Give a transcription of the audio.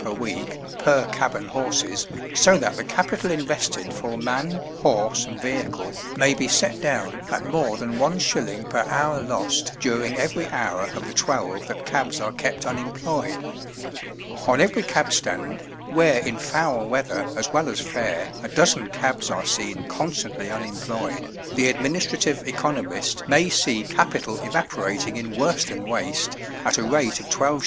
per week, per cab and horses, so that the capital invested for man, horse, and vehicle, may be set down at more than one shilling per hour lost during every hour of the twelve that cabs are kept unemployed. On every cab stand, where in foul weather as well as fair a dozen cabs are seen constantly unemployed, the administrative economist may see capital evaporating in worse than waste at a rate of 12s.